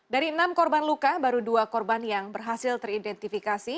dari enam korban luka baru dua korban yang berhasil teridentifikasi